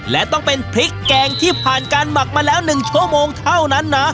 และต้องเป็นพริกแกงที่ผ่านการหมักมาแล้ว๑ชั่วโมงเท่านั้นนะ